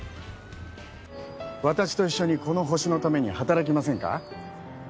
私と一緒にこの星のために働きませんか。